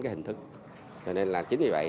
cái hình thức cho nên là chính vì vậy